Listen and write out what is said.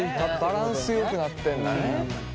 バランスよくなってんだね。